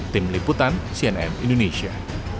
tim liputan cnn indonesia